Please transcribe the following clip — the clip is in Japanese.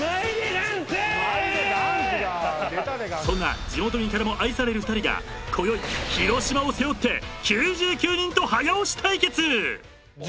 ［そんな地元民からも愛される２人がこよい広島を背負って９９人と早押し対決！］